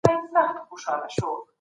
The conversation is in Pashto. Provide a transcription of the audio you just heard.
جنایتکار یې نیولی دی.